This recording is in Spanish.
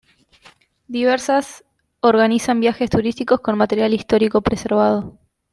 Diversas organizan viajes turísticos con material histórico preservado.